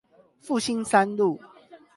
復興三路